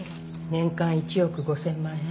年間１億５，０００万円。